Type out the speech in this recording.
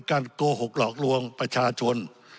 โกหกหลอกลวงประชาชน